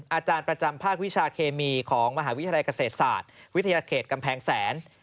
อาจารย์ประจำภาควิชาเคมีของมหาวิทยาลัยเกษตรศาสตร์วิทยาเขตกำแพงแสน